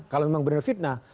kalau memang benar fitnah